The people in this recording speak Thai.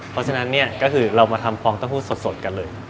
เพราะฉะนั้นเนี่ยก็คือเรามาทำฟองเต้าหู้สดกันเลย